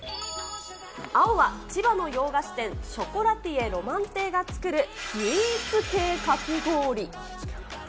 青は千葉の洋菓子店、ショコラティエろまん亭が作る、スイーツ系かき氷。